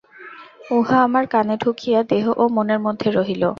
উহা আমার কানে ঢুকিয়া দেহ ও মনের মধ্যে রহিল।